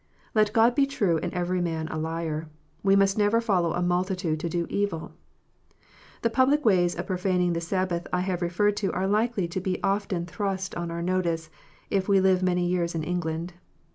Let God be true and every man a liar. We must never follow a multitude to do evil. The public ways of profaning the Sabbath I have referred to are likely to be often thrust on our notice, if we live many years in England.